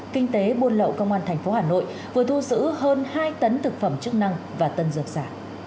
kinh tế buôn lậu công an tp hà nội vừa thu giữ hơn hai tấn thực phẩm chức năng và tân dược xả